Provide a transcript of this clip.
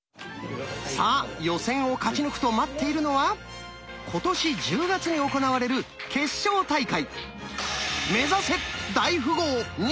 さあ予選を勝ち抜くと待っているのは今年１０月に行われる決勝大会。